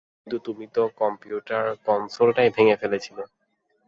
কিন্তু, তুমি তো কম্পিউটার কনসোলটাই ভেঙ্গে ফেলেছিলে!